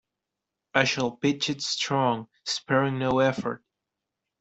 I shall pitch it strong, sparing no effort.